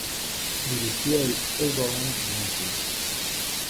Dirigió el "Overland Monthly".